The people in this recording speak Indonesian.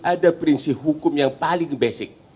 ada prinsip hukum yang paling basic